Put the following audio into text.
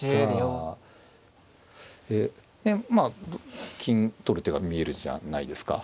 まあ金取る手が見えるじゃないですか。